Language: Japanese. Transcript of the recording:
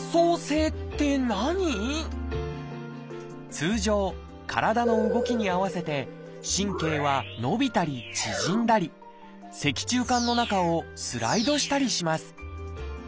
通常体の動きに合わせて神経は伸びたり縮んだり脊柱管の中をスライドしたりします。